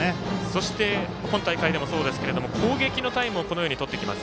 そして今大会でもそうですけど攻撃のタイムをこのように、とってきます。